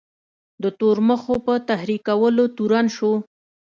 د تورمخو په تحریکولو تورن شو.